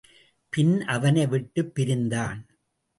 பின் அவனை விட்டுப் பிரிந்தான்.